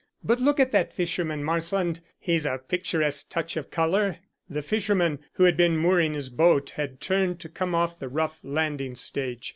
But look at that fisherman, Marsland. He's a picturesque touch of colour." The fisherman who had been mooring his boat had turned to come off the rough landing stage.